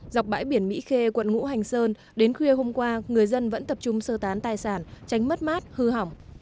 dọc bãi biển mỹ khê quận ngũ hành sơn đến khuya hôm qua người dân vẫn tập trung sơ tán tài sản tránh mất mát hư hỏng